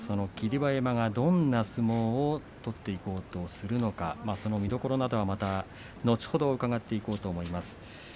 馬山がどんな相撲を取っていこうとするのか見どころなどはまた後ほど伺っていこうと思います。